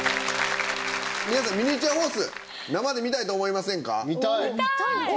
皆さんミニチュアホース生で見たいと思いませんか？